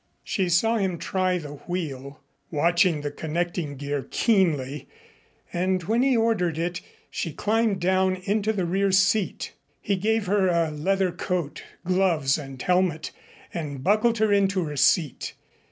She saw him try the wheel, watching the connecting gear keenly, and, when he ordered it, she climbed down into the rear seat. He gave her a leather coat, gloves and helmet, and buckled her into her seat.